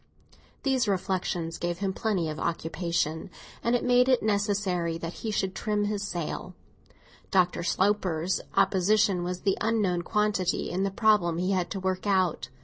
These reflexions gave him plenty of occupation, and made it necessary that he should trim his sail. Dr. Sloper's opposition was the unknown quantity in the problem he had to work out.